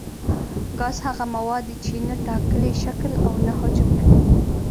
ګاز هغه مواد دي چې نه ټاکلی شکل او نه حجم لري.